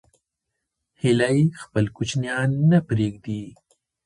هیلۍ خپل کوچنیان نه پرېږدي